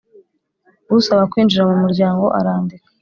Usaba kwinjira mu muryango arandika